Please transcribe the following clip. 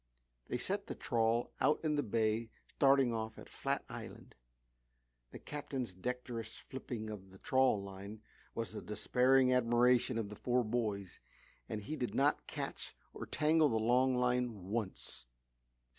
They set the trawl out in the bay starting off at Flat Island. The Captain's dexterous flipping of the trawl line was the despairing admiration of the four boys and he did not catch or tangle the long line once!